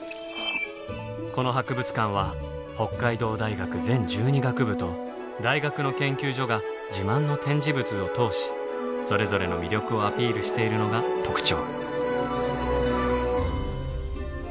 この博物館は北海道大学全１２学部と大学の研究所が自慢の展示物を通しそれぞれの魅力をアピールしているのが特徴。